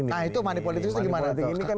nah itu moneypolitik itu gimana